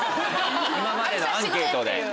今までのアンケートで。